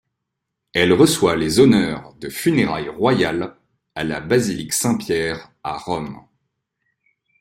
Elle reçoit les honneurs de funérailles royales à la Basilique Saint-Pierre à Rome.